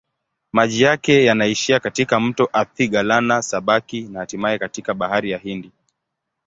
Maji yake yanaishia katika mto Athi-Galana-Sabaki na hatimaye katika Bahari ya Hindi.